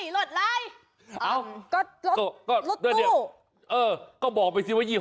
ลดไล